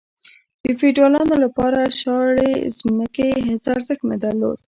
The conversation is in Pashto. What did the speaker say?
د فیوډالانو لپاره شاړې ځمکې هیڅ ارزښت نه درلود.